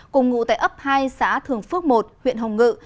cùng ngụ tại ấp hai xã thường phước một huyện hồng ngự